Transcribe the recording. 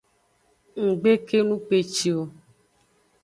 Ng gbe kenu kpeci o.